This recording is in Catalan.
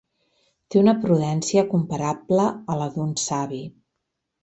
Té una prudència comparable a la d'un savi.